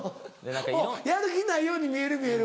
やる気ないように見える見える。